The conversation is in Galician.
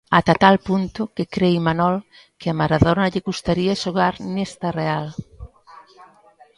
Ata tal punto que cre Imanol que a Maradona lle custaría xogar nesta Real.